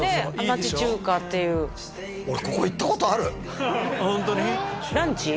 町中華っていう俺ここ行ったことあるホントに？ランチ？